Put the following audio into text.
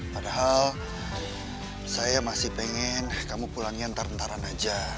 padahal saya masih pengen kamu pulangin ntar nataran aja